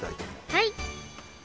はい。